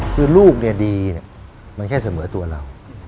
คือลูกเนี่ยดีเนี่ยมันแค่เสมอตัวเรา